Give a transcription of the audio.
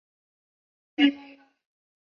匙叶齿缘草为紫草科齿缘草属的植物。